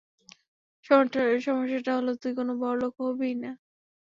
সমস্যাটা হলো তুই কখনো বড়লোক হবিই না।